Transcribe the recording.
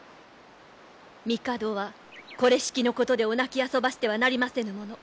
帝はこれしきのことでお泣きあそばしてはなりませぬもの。